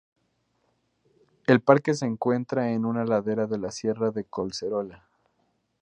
El parque se encuentra en una ladera de la sierra de Collserola.